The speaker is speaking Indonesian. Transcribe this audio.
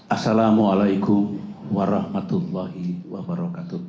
assalamu'alaikum warahmatullahi wabarakatuh